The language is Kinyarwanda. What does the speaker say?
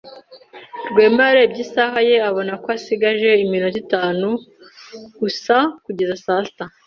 Rwema yarebye isaha ye abona ko asigaje iminota itanu gusa kugeza saa sita.